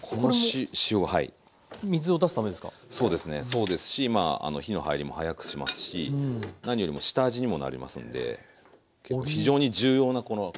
そうですしまあ火の入りも早くしますし何よりも下味にもなりますので非常に重要なこの工程ですね。